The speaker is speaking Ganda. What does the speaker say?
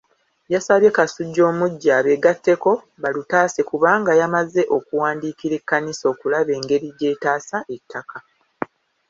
Yasabye Kasujja omuggya abeegatteko balutaase kubanga yamaze okuwandiikira ekkanisa okulaba engeri gy'etaasa ettaka.